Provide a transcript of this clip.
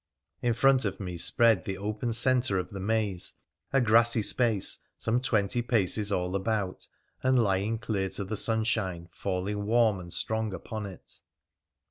In front of me spread the open centre of the maze, a grassy space some twenty paces all about, and lying clear to the sunshine falling warm and strong upon it.